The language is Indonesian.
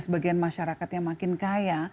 sebagian masyarakat yang makin kaya